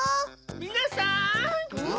みなさん！